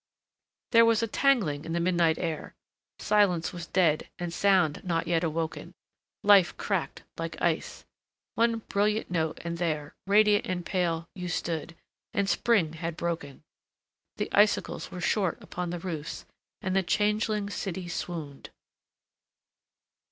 ... There was a tanging in the midnight air—silence was dead and sound not yet awoken—Life cracked like ice!—one brilliant note and there, radiant and pale, you stood... and spring had broken. (The icicles were short upon the roofs and the changeling city swooned.)